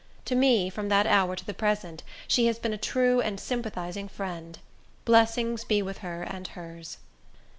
To me, from that hour to the present, she has been a true and sympathizing friend. Blessings be with her and hers!